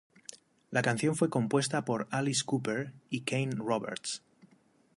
La canción fue compuesta por Alice Cooper y Kane Roberts.